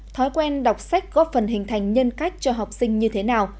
thói quen đọc sách góp phần hình thành nhân cách cho học sinh như thế nào